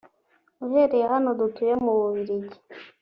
uhereye hano dutuye mu Bubiligi